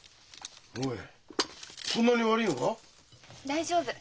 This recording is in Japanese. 大丈夫。